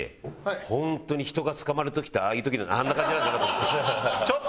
本当に人が捕まる時ってああいう時あんな感じなんだなと。